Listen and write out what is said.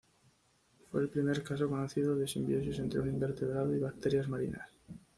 Fue el primer caso conocido de simbiosis entre un invertebrado y bacterias marinas.